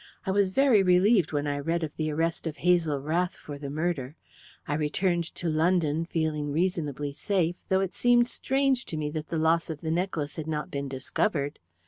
I was very relieved when I read of the arrest of Hazel Rath for the murder. I returned to London feeling reasonably safe, though it seemed strange to me that the loss of the necklace had not been discovered.